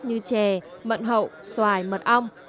như chè mận hậu xoài mật ong